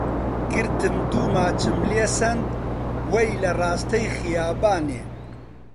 گرتم دوو ماچم لێ سەند وەی لە ڕاستەی خیابانێ